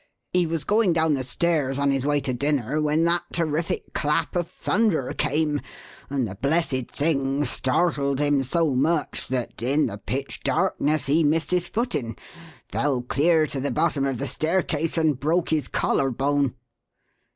He was going down the stairs on his way to dinner when that terrific clap of thunder came, and the blessed thing startled him so much that, in the pitch darkness, he missed his footing, fell clear to the bottom of the staircase, and broke his collar bone."